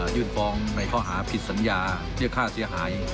ยื่นฟ้องในข้อหาผิดสัญญาเลือกการสิ้นหาย